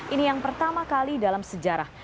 ini yang pertama kali dalam sejarah